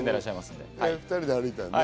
２人で歩いたのね。